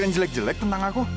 yang jelek jelek tentang aku